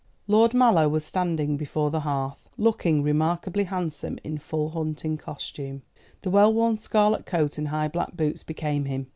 Lord Mallow was standing before the hearth, looking remarkably handsome in full hunting costume. The well worn scarlet coat and high black boots became him.